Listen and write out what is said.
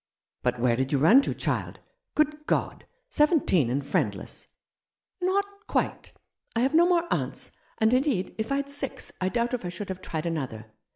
" But where did you run to, child ? Good God ! Seventeen and friendless !"" Not quite. I have no more aunts, and, indeed, if I had six I doubt if I should have tried another.